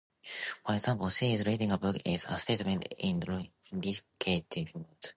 For example, "She is reading a book" is a statement in the indicative mood.